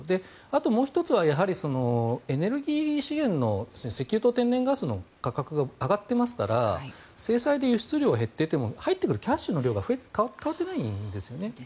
あともう１つは、やはりエネルギー資源石油と天然ガスの価格が上がっていますから制裁で輸出量が減っていても入ってくるキャッシュの量が変わっていないんですね。